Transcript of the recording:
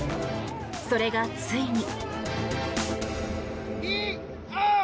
それが、ついに。